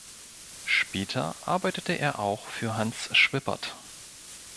Später arbeitete er auch für Hans Schwippert.